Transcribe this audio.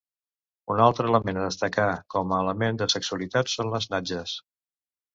Un altre element a destacar com a element de sexualitat són les natges.